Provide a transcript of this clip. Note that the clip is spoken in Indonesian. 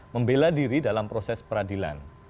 membela diri dalam proses peradilan